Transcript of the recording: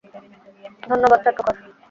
ধন্যবাদ, চাটুকার।